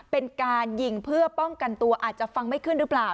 เป็นการยิงเพื่อป้องกันตัวอาจจะฟังไม่ขึ้นหรือเปล่า